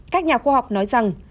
các nhà khoa học nói rằng